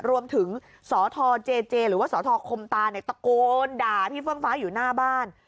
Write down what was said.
รวมถึงสทเจเจหรือว่าสทคมตาเนี่ยตะโกนด่าพี่เฟื่องฟ้าอยู่หน้าบ้าน